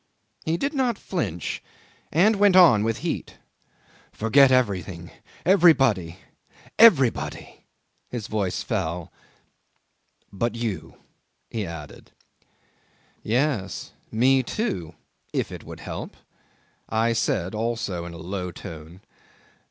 'He did not flinch, and went on with heat, "Forget everything, everybody, everybody." ... His voice fell. .. "But you," he added. '"Yes me too if it would help," I said, also in a low tone.